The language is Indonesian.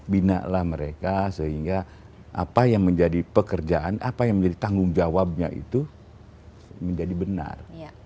binalah mereka sehingga apa yang menjadi pekerjaan apa yang menjadi tanggung jawabnya itu menjadi benar